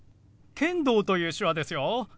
「剣道」という手話ですよ。